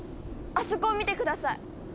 あそこを見て下さい！